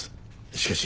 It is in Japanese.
しかし。